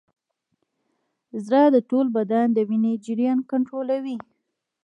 زړه د ټول بدن د وینې جریان کنټرولوي.